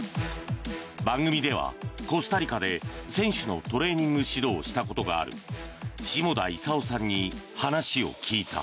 番組では、コスタリカで選手のトレーニング指導をしたことがある下田功さんに話を聞いた。